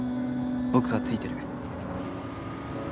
僕がついてる。